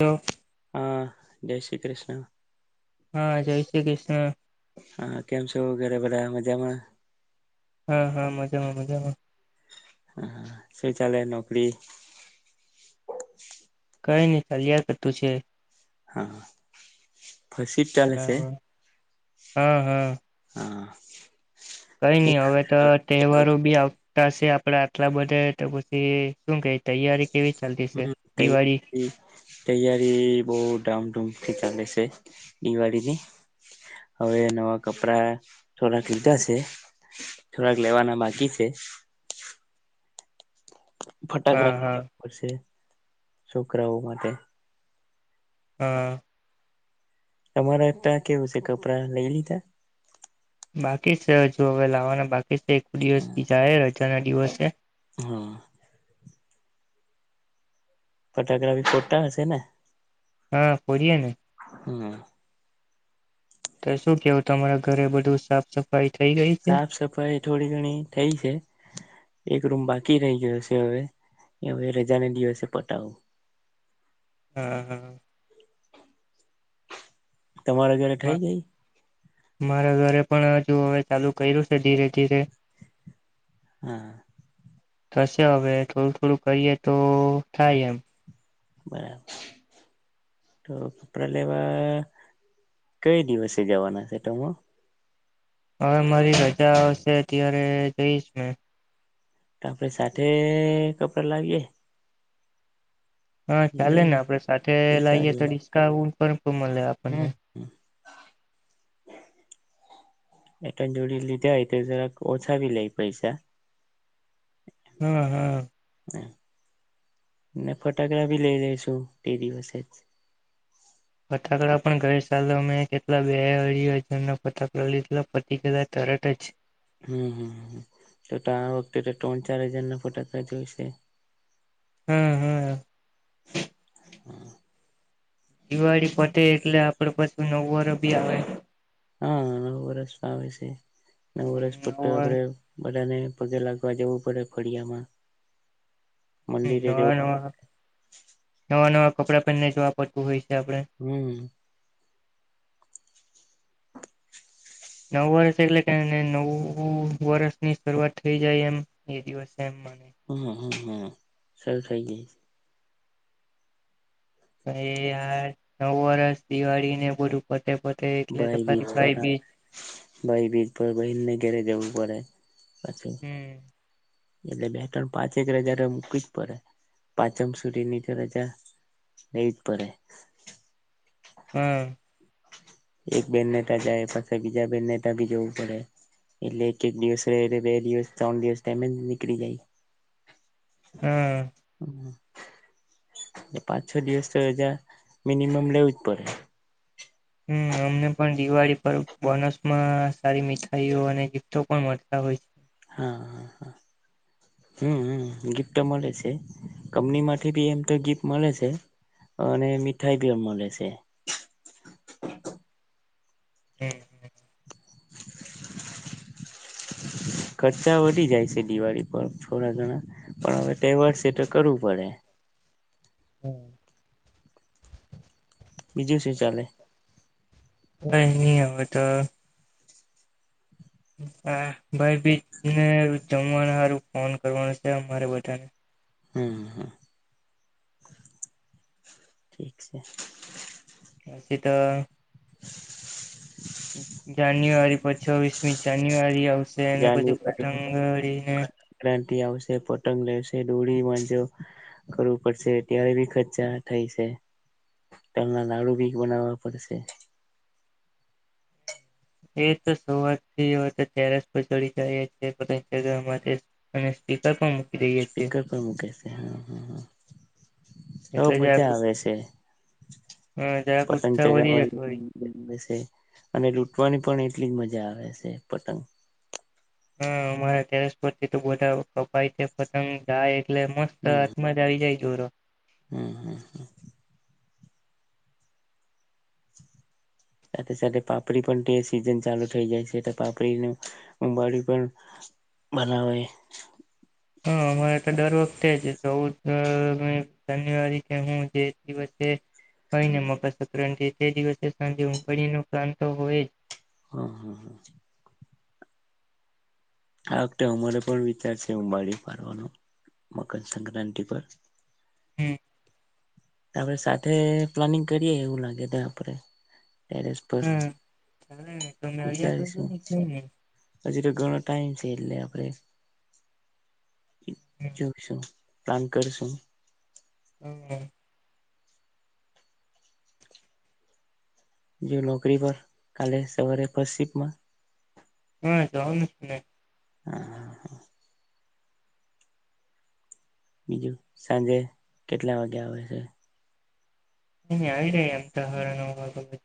તો હા જય શ્રી કૃષ્ણ હા જય શ્રી કૃષ્ણ વગેરે બરા્યા મજામાં હા હા મજામાં મજામાં હ શ ચાલે નોકરી કઈ ન કલયાર કરતું છે હા ફસીટાલલેશે હમ હમ હા કઈ શું નહી હવે તો ચાલે? તહેવારો બી આવ ી આપડે આટલા બધે તો પછી શું કે તૈયારી કેવી ચાલતી છે હમ દિવાળી તારી તૈયારી બહ ધામ ધૂમ થી ચાલે છે દિવાળીની હવે નવા કપડા થોડાક લીધા છે થોડાક લેવાના બાકી છે હા હા ફટાકડાે પડશે છોકરાઓ માટે હમ તમારા ત્યાં કેવું છે કપડા લઈ લીધા બાકી છેજુ હવે લાવવાના બાકી દિવસ જાહેર જા ના દિવસે હા ફટાકડા બી ફોટા હશે ને હા પએને હમ તો શું કેવું તમારા ઘરે બધું સાફ સફાઈ થઈ ગઈ છે સાફ સફાઈ થોડી ઘણી થઇ છે એક રૂમ બાકી રહી ગયો છે હવે હવે રજાને દિવસે પટાવું હમ હા તમારા ઘરે થઇ ગઈ મારા ઘરે પણ હજુ હવે ચાલુ કર્યું છે ધીરે ધીરે હા થશે હવે થોડું થોડું કરીએ તો થાય એમ બરાબર તો કપડા લેવા કઈ દિવસે જવાના છે તોમ હવે મારી રજા આવશે અત્યારે તવીસ મે આપે સાથે કપડા લાવીએ. હા ચાલે ને જોઈએ આપડે સાથે લઈએ તો વિચારીએ ડડીસ્કાું. [inaudible] કમ લ આપણને એટં જોડી લીધા હોય તો જરાક ઓછાાવી લે પૈસા હમ હમ હ ફોટોગ્રાફી લઈ લઈશું તે દિવસે જ ફટાકડા પણ ગર સાટલા બે ફટકડા લીધતિક તરટ છે હમ હમ તો ત વખતે તો ત્રણ ચાર હજાર ના ફોટાકાા જ હોશે હમ હમ હમ દિવાળી પતે એટલે આપડ પાછું નવ વાર બી આવે હા નવ વર્ષ તો આવે છે નવ વરસ પૂટતો નવું આપડે વરહ બધાને પગે લાગવા જવું પડે ફળિયામાં મંદિરે નવા જવું નવા નવા નવા કપડા પહેરને જોવા પડતું હોય છે આપડે હમ નવ વર્ષ એટલે કે નવ વર્ષની શરૂઆત થઈ જાય એમ એ દિવસ એમ હમ હમ હમ સારું થઇ જાય છે યાર નવ વર્ષ દિવાળીને બધું ફતે ભાઈ બીચ પર ભાઈ બીચ પર બનને ઘેરે જવું [inaudible] હમ એટલે બે ત્રણ પાંચેક રજા મૂકી જ પડે પાંચમ સુધી નીચે રજા લઈ જ પડે હમ એક બેન નેતા જાય પાછી બીજા બેનનેતા ભી જવું પડે એટલે એક એક દિવસ રહે એટલે બે દિવસ ત્રણ દિવસમે નીકળી જાય હમ પાંચ છે દિવસ તો રજામિનિમમ લેવું જ પડે હુમ અમને પણ દિવાળી પર બોનસમાં સારી મીઠાઈઓ અને ગિફ્ટો પણ મળતા હોય છે. હા હા હા હુમ હમ ગિફ્ટ તો મળે છે કંપનીમાંથી બી એમ તો ગિફ્ટ મળે છે અને મીઠાઈ બી મળે છે. હમ હમ ખર્ચા વધી જાય છે દિવાળી પર થોડા ઘણા પણ હવે તહેવાર છે તો કરવું પડે બીજું શું ચાલે કઈ નહી હવે તો હા ભાઈ ભી ને જમવાનું સારું ફોન કરવાનું છે અરબધાને હુમ હુ [inaudible] પછી તો જાન્યુઆરી પછી વીસમી જાન્યુઆરી આવશે [inaudible] અને પછી પતંગડીને દોરી વાજો કરવું પડશે ત્યારે બી ખર્ચા થઈ જાય તલના લાડુ બી બનાવવા પડશે [inaudible] સ્પીકર પણ મૂકે છે હા હ હ એટલે બ જરાક મજા આવે છે જરાક પતંગ ઉત્સાહ વધી જતો હોય ચગાવવાની છે. અને લૂટવાની પણ એટલી જ મજા આવે છે પતંગ હુ અમારા ટેરસ પરથી તો બધા કપાય છે પતંગ ગાય એટલે મસ્ત હાથમાં જ આવી જાય જોરો હુમ હુમ હુ સાથે સાથે પાપડી પણ તે સિઝન ચાલુ થઇ જાય છે પાપડીને ઉંબાળી પણ બનાવાઇ હા અરે તો દર વખતે જ ચૌદ જાન્યુઆરી હું જે દિવસેને મકર સંક્રાંતિ તે દિવસે સા પ્રાંત હોય હા હા હા આ વખતે અમારે પણ વિચાર છે બડી ફરવાનો મકર સંક્રાંતિ પર હુમ આપ સાથે પ્લાનિંગ કરીએ એવું લાગે ત આપણેે હુમ હ તોમે અયા તો ન કઈ ને -' હજ તો ઘણો ટાઈમ છે એટલે આપણેે જોઈસુ પાલન કરશું. હમ જો નોકરી પર કાલે સવારે ફસ્ર્ટ સીપ મા હા જવાનું ને હા હા હા બીજું સાંજે કેટલા વાગે આવે છે. નહી આવી રહ્યા અમ તો હાટાન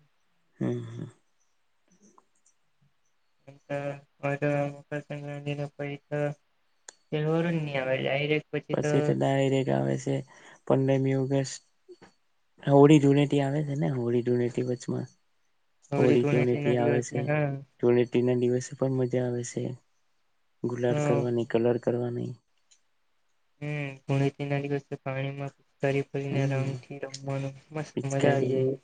હુમ હુ [inaudible] પછી તો ડાયરેક્ટ રગ આવે છે પડમયુ હોળી ધૂણેટી આવે છે ને હોળી ધૂણેથી વચમાં હોળી હોરી ધૂળેટી ના ધુરેટીતિ આવે દિવસે છેુ હા જોડે ના દિવસો પણ મજા આવે છે. ગુલાડ કરવાની કલર કરવાની [inaudible] હમ પુણે થી નાની વ પાણીમાં ફરી ફરીને રંગ હમ થી રમવાનું મસ્ત મજા આવી પિચકારી જાય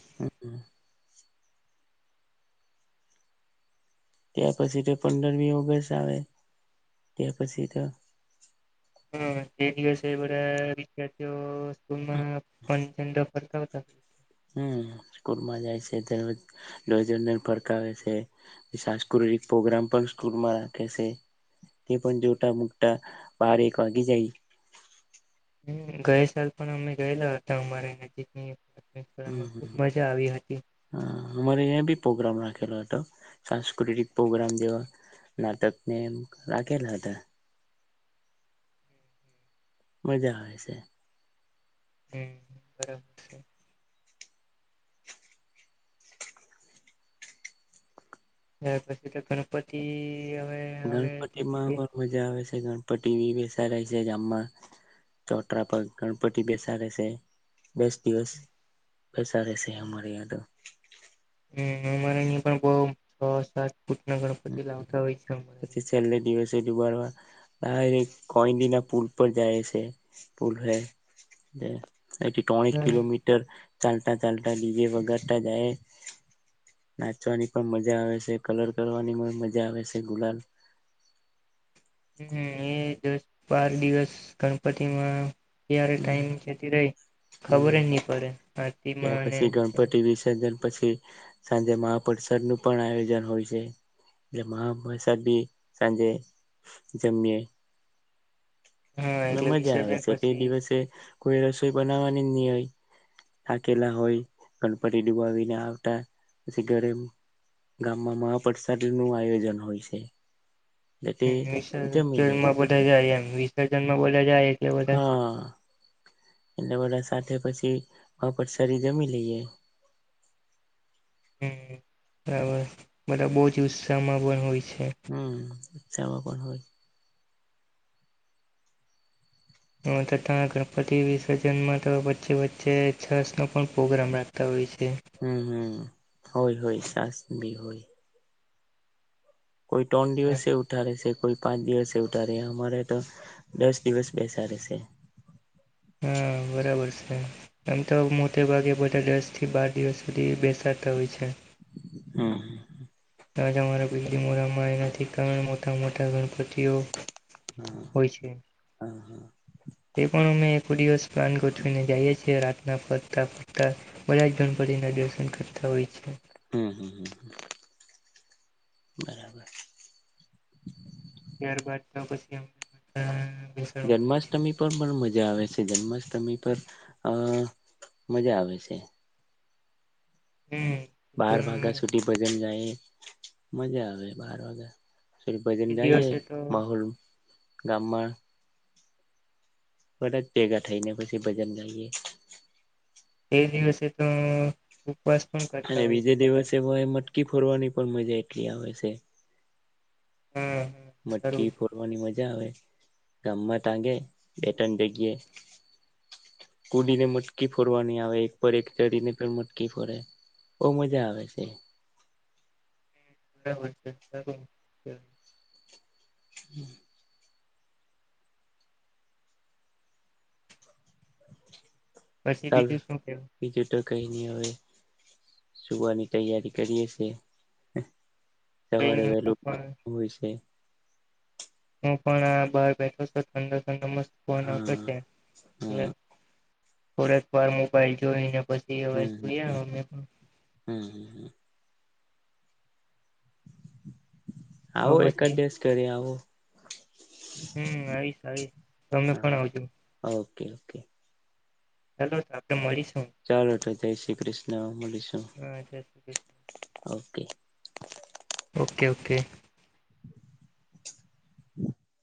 ત્યા પછી તો પંદરમી ઓગસ્ટ આવે ત્યા પછી તો હમ જે દિવસે એ બધા વિદ્યાર્થીઓ માં પંચ [inaudible] હમ સ્કૂલમાં જાય છે દ ર ફરકાવે છે સાંસ્કૃતિક પ્રગ્રામ પણ સ્કૂલમાં રાખે છે તે પણ જોટા મુકટા બાર એક વાગી જાય હ ગયા સાલ પણ અમે ગયેલા હતા અમારી નજીક ની હમ હ હા હમારે એ ભી પ્રોગ્રામ હતો સાંસ્કૃતિક પ્રોગ્રામ જેવા નાટકને રાખેલા હતા મજા છે હમ બરોબર છે હ પછી તો ગણપતિ હવે હવે ગણપતિ માં પછી પણ મજા આવે છે ગણ ગણપતિ બેસા છે જામમાં ચોટરા પગ ગણપતિ બેસાે છે બેસ્ટ દિવસ પેસાારસેરે યા તો હમ અમારે અહીં પણ બઉ છ સાત કૂટના ગણપતિ લાવતા હોય છે ર ના કઈ દિના પુલ પર જાય છે પુલ હ એક હમ કિલોમીટર ચાલતા ચાલતા ડીજે વગડતા જાય નાચવાની પણ મજા આવે છે કલર કરવાની મ મજા આવે છે ગુલાલ હમ એ દસ બાર દિવસ ગણપતિમાં ત્યારે હમ ટાઈમ જતી રહી ખબર હમ જ નહી પડે ત્યાર હતીમાં પછી અનેમ ગણપતિ વિસર્જન પછી સાંજે મહાપરિસાદ નું પણ આયોજન હોય છે એટલે મહાપરિસાદ બી સાંજે જમએ હા અને એટલે મજા આવે વિસર્જન છે તે પછી દિવસે કોઈ રસોઈ બનાવા નય થાકેલા હોય ગણપતિ ડુબાવીને આવતા પછી ઘરે ગામમાં મહાપ્રસાદ નું આયોજન હોય છે એટલે તે જમી લે હમાં બધા જમ વિસર્જન માં બોલ્યા જાય એટલે બધા હા એટલે બધા સાથે પછી વાપડ સરી જમી લઈએ હ બરાબર બધા બહ જ ઉત્સાહમાં પણ હોય છે હમ ચા પણ હોય તથા ગણપતિ વિસર્જનમાં વચે વચ્ચે છાસ નો પણ પ્રગ્રામ રાખતા હોય છે હમ હમ હોય હય તાસ બ હોુ કોઈ ટોન્ડીિવસે ઉઠાારેે છે કોઈ પાંચ દિવસ એવઠા ર અમારે તો દસ દિવસ બેસા રહેેશે હા બરાબર છે આમ તો મોટે ભાગે બધા દસ થી બાર દિવસ સુધી બેસાડતા હોય છે હા હ રાજા મારા બજ મોરામાં એનાથી કારણ મોટા મોટા ગણપતિઓ હમ હોય છે. હા હા તે પણ અમે એક દિવસ પ્લાન ગોઠવીને જઈએ છીએ રાતના ફરતા ફરતા બધા જ ગણપતિના દર્શન કરતા હોય છે હમ હમ હમ હ બરાબર ત્યારબાદ તો પછી એમ જન્માષ્ટમી પર પણ મજા આવે છે જન્માષ્ટમી પર અ મજા આવે છે હમ બાર વાગ્યા પણ સુધી ભજન જાય મજા આવે બાર વાગ્યા શ ભ એ જાાય દિવસે તો માહોલ ગામર બધા જ ભેગા થઈને પછી ભજન ગાઈએ એ દિવસે તો ઉપવાસ પણ કરતા અને હોય છે બીજે બધા દિવસે ભ મટકી ફોરવાની પણ મજા પ્ર ક્રિયાશે હમ સારું મટકી ફોડવાની મજા આવે ગામમાં ટાંગે બેટણ જગએ કૂદીને મટકી ફોરવાની આવે એક પર એક ચડીને પણ મટકી ફોરે બહ મજા આવે છે બરાબર છે સ [inaudible] પછી ચાલ બીજું શું કેવું બીજું તો કઈ ન હવે સુવાની તૈયારી કરીએ છે કઈ સવારે નહી હું વહેલું પણ હોય છે હું પણ આ બહાર બેઠો છ ઠંડ ત મસ્ત ફોન આવતો હા છે એટલે હા થોડક વાર મોબાઈલ જોઈને પછી હવે હમ સુયા અમે પણ હમ હમ આવો એકાદ પછી દિવસ કરી આવો હમ આવીશ આવીશ તમે પણ હા આવજો [inaudible] હલો આપડે મળરીશ ચાલોલે જય શ્રી કૃષ્ણ મળલીશું હા જય Shri Krishna okay okay okay [inaudible]